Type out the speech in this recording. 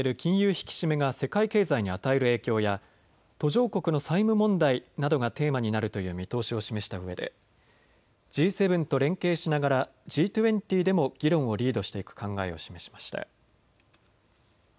引き締めが世界経済に与える影響や途上国の債務問題などがテーマになるという見通しを示したうえでＧ７と連携しながらＧ２０でも議論をリードしていく考えを示しました。